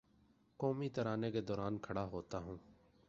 قومی ترانے کے دوراں کھڑا ہوتا ہوں